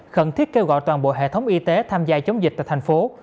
khẩn thiết kêu gọi toàn bộ hệ thống y tế tham gia chống dịch tại thành phố